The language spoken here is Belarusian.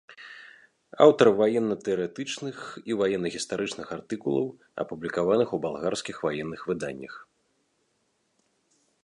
Аўтар ваенна-тэарэтычных і ваенна-гістарычных артыкулаў, апублікаваных у балгарскіх ваенных выданнях.